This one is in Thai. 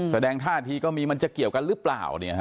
แสดงท่าทีก็มีมันจะเกี่ยวกันหรือเปล่า